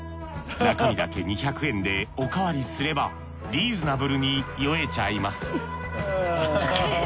中身だけ２００円でおかわりすればリーズナブルに酔えちゃいますあ。